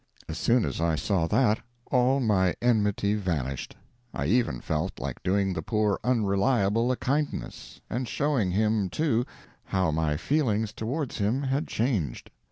As soon as I saw that, all my enmity vanished; I even felt like doing the poor Unreliable a kindness, and showing him, too, how my feelings towards him had changed.